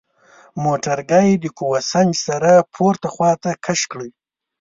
موټرګی د قوه سنج سره پورته خواته کش کړئ.